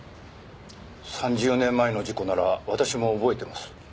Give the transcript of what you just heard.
３０年前の事故なら私も覚えています。